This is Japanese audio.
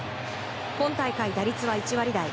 今大会、打率は１割台。